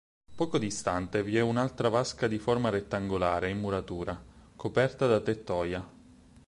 Poco distante vi è un'altra vasca di forma rettangolare, in muratura, coperta da tettoia.